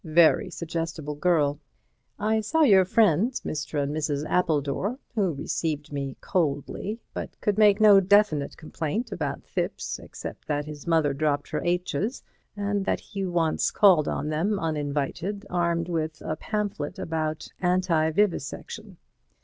Very suggestible girl. I saw your friends, Mr. and Mrs. Appledore, who received me coldly, but could make no definite complaint about Thipps except that his mother dropped her h's, and that he once called on them uninvited, armed with a pamphlet about anti vivisection.